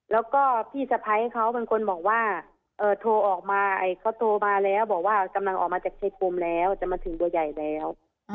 แล้วก็พี่สะพ้ายเขาเป็นคนบอกว่าโทรออกมาเขาโทรมาแล้วบอกว่ากำลังออกมาจากชายภูมิแล้วจะมาถึงบัวใหญ่แล้ว